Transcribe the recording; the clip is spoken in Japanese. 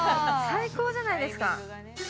◆最高じゃないですか。